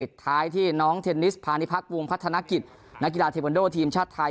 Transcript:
ท้ายที่น้องเทนนิสพาณิพักวงพัฒนกิจนักกีฬาเทวันโดทีมชาติไทย